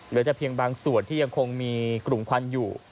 เหลือแต่เพียงบางส่วนที่ยังคงมีกลุ่มควันอยู่